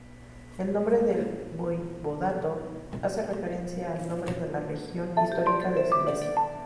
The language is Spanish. El nombre del voivodato hace referencia al nombre de la región histórica de Silesia.